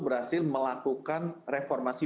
berhasil melakukan reformasi